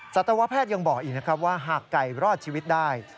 สัตวแพทย์ยังบอกอีกนะครับว่าหากไก่รอดชีวิตได้